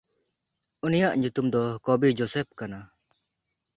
ᱩᱱᱤᱭᱟᱜ ᱧᱩᱛᱩᱢ ᱫᱚ ᱠᱚᱰᱤᱼᱡᱚᱥᱮᱯᱦ ᱠᱟᱱᱟ᱾